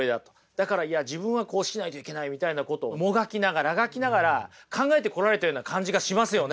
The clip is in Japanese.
だからいや自分はこうしないといけないみたいなことをもがきながらあがきながら考えてこられたような感じがしますよね。